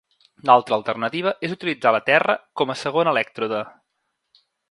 L'altra alternativa és utilitzar la Terra com a segon elèctrode.